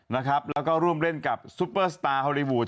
แล้วก็ร่วมเล่นกับซุปเปอร์สตาร์ฮอลลีวูด